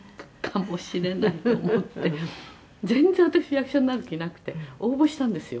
「全然私役者になる気なくて応募したんですよ」